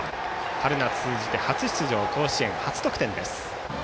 春夏通じて初出場甲子園初得点です。